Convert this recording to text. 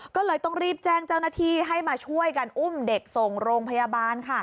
ก็เลยต้องรีบแจ้งเจ้าหน้าที่ให้มาช่วยกันอุ้มเด็กส่งโรงพยาบาลค่ะ